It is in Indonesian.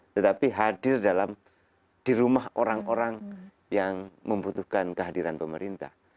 tetapi hadir dalam di rumah orang orang yang membutuhkan kehadiran pemerintah